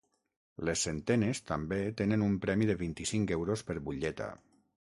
Les centenes també tenen un premi de vint-i-cinc euros per butlleta.